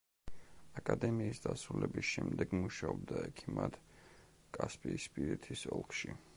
აკადემიის დასრულების შემდეგ მუშაობდა ექიმად კასპიისპირეთის ოლქში.